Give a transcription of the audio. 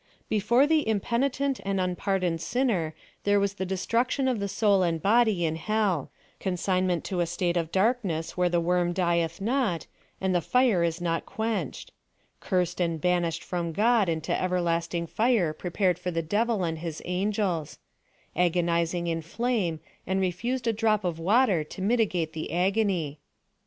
Before the impenitent and unpardoned sinner there was the destrnction of the soul and body in hell — consignment to a state of darkness where the worm dieth not, and the fire is not quenched — cursed and banished from God into everlasting fire *;repared for the devil and his angels — agonizing in flame, and refused a drop of water to mitigate the agony.